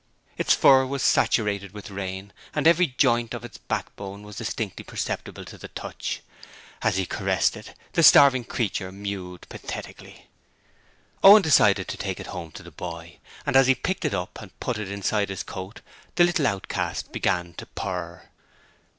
Its fur was saturated with rain and every joint of its backbone was distinctly perceptible to the touch. As he caressed it, the starving creature mewed pathetically. Owen decided to take it home to the boy, and as he picked it up and put it inside his coat the little outcast began to purr.